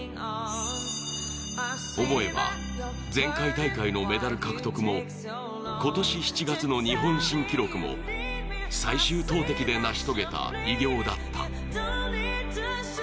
思えば前回大会のメダル獲得も、今年７月の日本新記録も最終投てきで成し遂げた偉業だった。